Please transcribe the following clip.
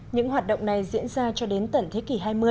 những hoạt động này diễn ra cho đến tận thế kỷ hai mươi